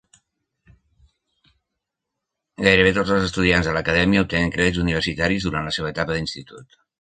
Gairebé tots els estudiants de l'acadèmia obtenen crèdits universitaris durant la seva etapa d'institut.